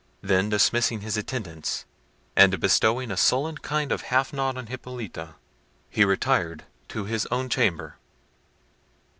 Then dismissing his attendants, and bestowing a sullen kind of half nod on Hippolita, he retired to his own chamber.